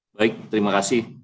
baik terima kasih